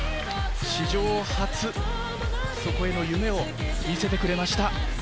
史上初、そこへの夢を見せてくれました。